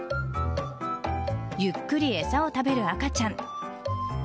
ゆっくり餌を食べる赤ちゃん。